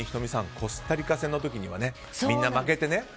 コスタリカ戦の時にはみんな負けてね。